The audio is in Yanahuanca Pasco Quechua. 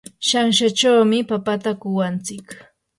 shanshachawmi papata kuwantsik.